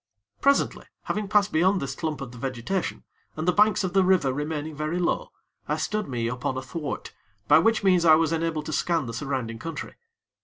Presently, having passed beyond this clump of the vegetation, and the banks of the river remaining very low, I stood me upon a thwart, by which means I was enabled to scan the surrounding country.